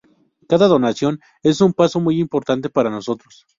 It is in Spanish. Cada donación es un paso muy importante para nosotros.